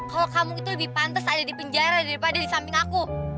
kalau kamu itu lebih pantas ada di penjara daripada di samping aku